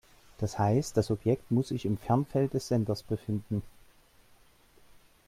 Das heißt, das Objekt muss sich im Fernfeld des Senders befinden.